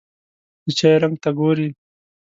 د چای رنګ ته ګوري.